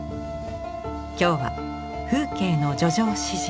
今日は風景の叙情詩人